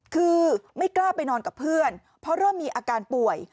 คือไม่กล้าไปนอนกับเพื่อนเพราะเริ่มมีอาการป่วย